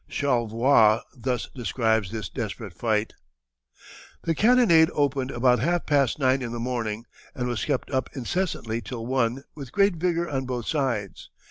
Charlevoix thus describes this desperate fight: "The cannonade opened about half past nine in the morning and was kept up incessantly till one with great vigor on both sides.